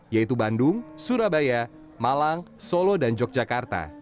yaitu bandung surabaya malang solo dan yogyakarta